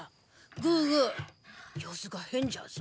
グーグー様子が変じゃぞ？